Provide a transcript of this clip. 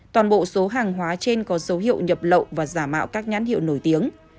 toàn bộ số hàng hóa trên có dấu hiệu nhập lậu và giả mạo các nhãn hiệu nổi tiếng